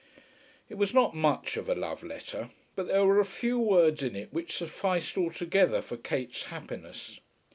It was not much of a love letter, but there were a few words in it which sufficed altogether for Kate's happiness.